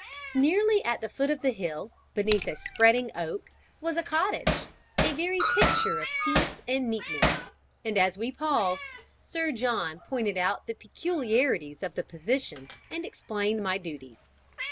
Nearly at the foot of the hill, beneath a spreading oak, was a cottage, a very picture of peace and neatness; and as we paused, Sir John pointed out the peculiarities of the position and explained my duties.